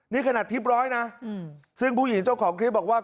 นี่ขนาดทริปร้อยนะซึ่งผู้หญิงเจ้าของคลิปบอกว่า